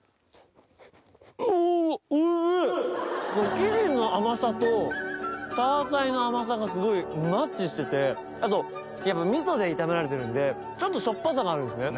生地の甘さとタアサイの甘さがすごいマッチしててあとやっぱ味噌で炒められてるんでちょっとしょっぱさがあるんですね。